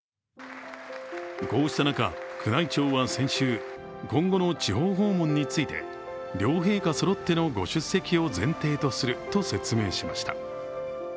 こうした中、宮内庁は先週今後の地方訪問について両陛下そろっての御出席を前提とすると説明しました。